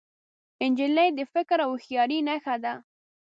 نجلۍ د فکر او هوښیارۍ نښه ده.